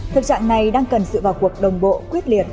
thực trạng này đang cần sự vào cuộc đồng bộ quyết liệt